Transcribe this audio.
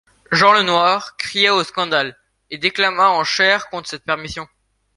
Jean Le Noir cria au scandale et déclama en chaire contre cette permission.